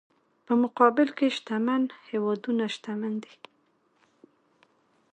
په مقابل کې شتمن هېوادونه شتمن دي.